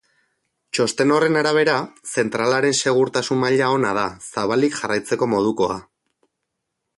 Txosten horren arabera, zentralaren segurtasun maila ona da, zabalik jarraitzeko modukoa.